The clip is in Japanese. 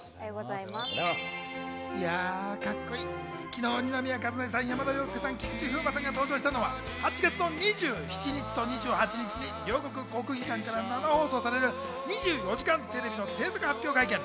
昨日、二宮和也さん、山田涼介さん、菊池風磨さんが登場したのは８月２７日、２８日に両国国技館から生放送される『２４時間テレビ』の製作発表会見。